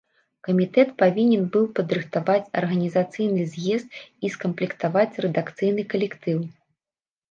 Камітэт павінен быў падрыхтаваць арганізацыйны з'езд і скамплектаваць рэдакцыйны калектыў.